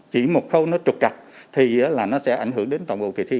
chỉ một khâu nó trục trặc thì nó sẽ ảnh hưởng đến toàn bộ kỳ thi